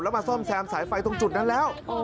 แล้วมาซ่อมแซมสายไฟตรงจุดนั้นแล้ว